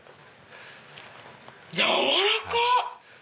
軟らかっ！